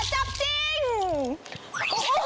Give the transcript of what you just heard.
เฮ่ย